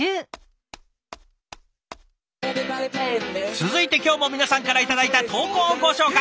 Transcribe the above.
続いて今日も皆さんから頂いた投稿をご紹介。